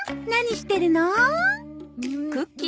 何してるの？